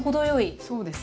そうですね